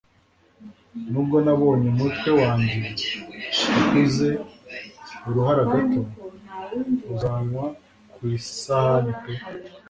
Nubwo nabonye umutwe wanjye [ukuze uruhara gato] uzanwa ku isahani pe